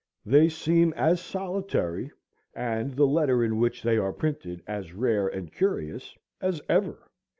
They seem as solitary, and the letter in which they are printed as rare and curious, as ever.